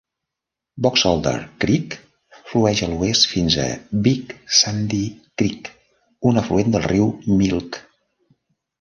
Boxelder Creek flueix a l'oest fins al Big Sandy Creek, un afluent del riu Milk.